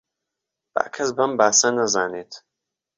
با کەس بەم باسە نەزانێت